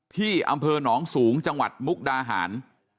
ที่อำเภอหนองสูงจังหวัดมุกดาหาร